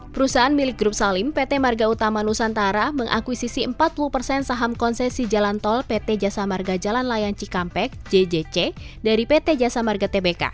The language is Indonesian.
perusahaan milik grup salim pt marga utama nusantara mengakuisisi empat puluh persen saham konsesi jalan tol pt jasa marga jalan layang cikampek jjc dari pt jasa marga tbk